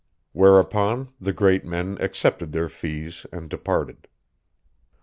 Whereupon the great men accepted their fees and departed.